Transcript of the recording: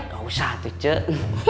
gak usah tuh cuk